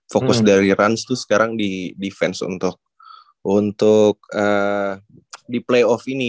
fokus dari rans itu sekarang di defense untuk di playoff ini